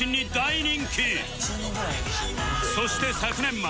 そして昨年末